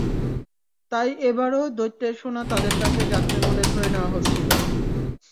তাই এবারও দ্বৈতের সোনা তাঁদের কাছেই যাচ্ছে বলে ধরে নেওয়া হচ্ছিল।